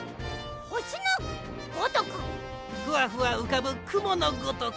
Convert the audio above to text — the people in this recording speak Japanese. ふわふわうかぶくものごとく。